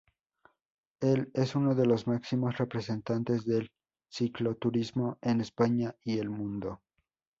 Él es uno de los máximos representantes del cicloturismo en España y el mundo.